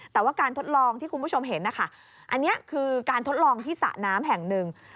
แต่ว่าการทดลองที่คุณผู้ชมเห็นนะคะอันนี้คือการทดลองที่สระน้ำแห่งหนึ่ง